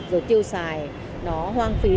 rồi tiêu xài nó hoang phí